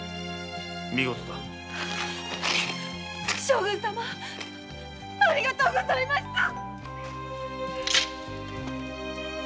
将軍様ありがとうございました。